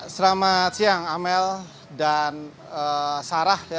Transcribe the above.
selamat siang amel dan sarah